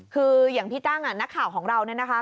คืออย่างพี่กั้งนักข่าวของเราเนี่ยนะคะ